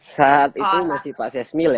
saat itu masih pak sesmil ya